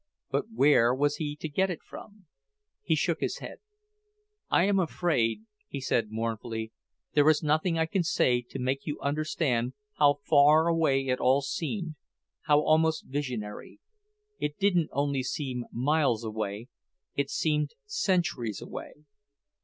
But where was he to get it from? He shook his head. "I am afraid," he said mournfully, "there is nothing I can say to make you understand how far away it all seemed, how almost visionary. It didn't only seem miles away, it seemed centuries away."